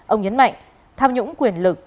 ông nhấn mạnh tham nhũng quyền lực